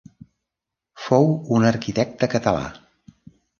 Fou un arquitecte català.